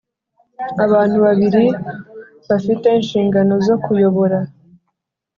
Abantu babiri bafite inshingano zo kuyobora